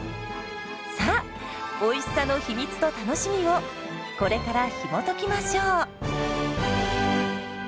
さあおいしさの秘密と楽しみをこれからひもときましょう！